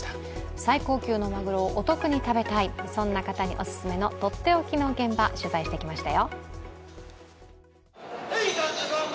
最高級のまぐろをお得に食べたい、そんな人にお勧めのとっておきの現場取材していきましたよ。